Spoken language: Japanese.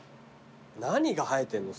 何が生えてんの？